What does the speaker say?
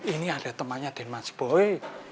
ini ada temannya denmas boy